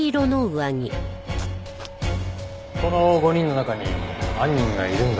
この５人の中に犯人がいるんだろうか。